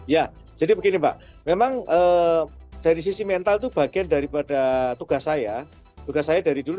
ya jadi begini mbak memang dari sisi mental itu bagian daripada tugas saya tugas saya dari dulu